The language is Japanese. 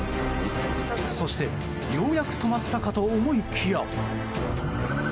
そして、ようやく止まったかと思いきや。